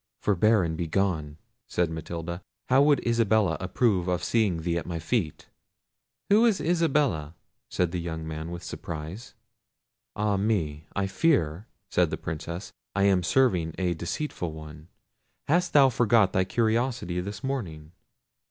"Forbear, and be gone," said Matilda. "How would Isabella approve of seeing thee at my feet?" "Who is Isabella?" said the young man with surprise. "Ah, me! I fear," said the Princess, "I am serving a deceitful one. Hast thou forgot thy curiosity this morning?"